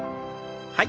はい。